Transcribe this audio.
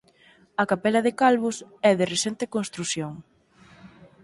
A capela de Calvos é de recente construción.